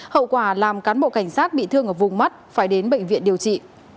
hậu quả làm cán bộ cảnh sát bị thương ở vùng mắt phải đến bệnh viện điều trị